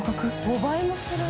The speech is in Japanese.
５倍もするの？